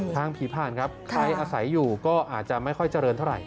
ผีผ่านครับใครอาศัยอยู่ก็อาจจะไม่ค่อยเจริญเท่าไห